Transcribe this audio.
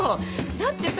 だってさ